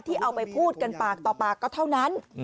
เอาไปพูดกันปากต่อปากก็เท่านั้น